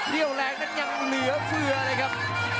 แรงนั้นยังเหลือเฟือเลยครับ